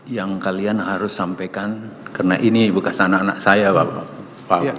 yang kalian harus sampaikan karena ini bekas anak anak saya bapak